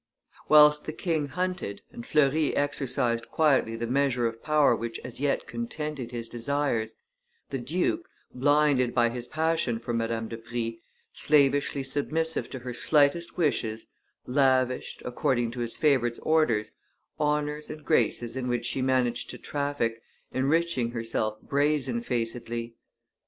Whilst the king hunted, and Fleury exercised quietly the measure of power which as yet contented his desires, the duke, blinded by his passion for Madame de Prie, slavishly submissive to her slightest wishes, lavished, according to his favorite's orders, honors and graces in which she managed to traffic, enriching herself brazen facedly.